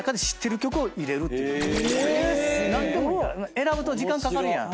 選ぶと時間かかるやん。